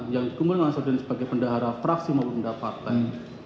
yang dikumpulkan oleh nazarudin sebagai pendahara fraksi maupun pendahara partai